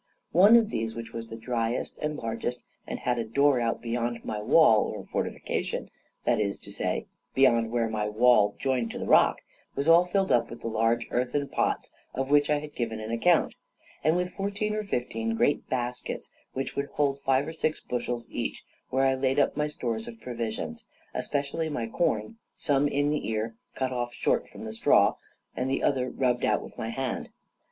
One of these, which was the driest and largest, and had a door out beyond my wall or fortification that is to say, beyond where my wall joined to the rock was all filled up with the large earthen pots of which I have given an account, and with fourteen or fifteen great baskets, which would hold five or six bushels each, where I laid up my stores of provisions, especially my corn, some in the ear, cut off short from the straw, and the other rubbed out with my hand.